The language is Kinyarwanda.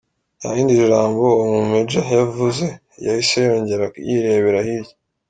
Nta rindi jambo uwo mu Major yavuze yahise yongera yirebera hirya.